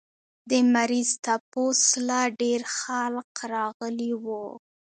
د مريض تپوس له ډېر خلق راغلي وو